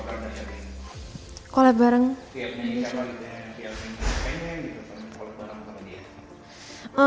kayaknya gitu pernah collab bareng sama dia